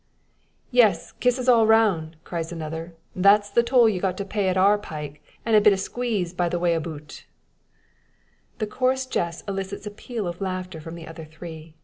"Yes; kisses all round!" cries another. "That's the toll ye're got to pay at our pike; an' a bit o' squeeze by way o' boot." The coarse jest elicits a peal of laughter from the other three.